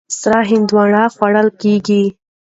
سره هندوانه خوړل کېږي.